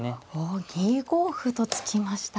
お２五歩と突きました。